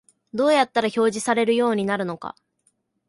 どうやったら表示されるようになるのか